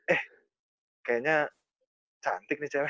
eh kayaknya cantik nih cewek